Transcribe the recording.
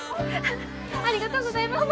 ありがとうございます。